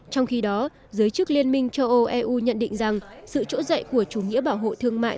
trong khi đó giới chức liên minh châu âu eu nhận định rằng sự trỗi dậy của chủ nghĩa bảo hộ thương mại